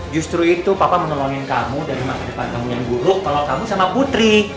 justru itu papa menolongin kamu dari masa depan kamu yang buruk kalau kamu sama putri